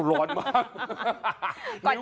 โอ้โหร้อนมาก